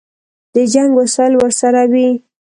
د جنګ وسایل ورسره وي.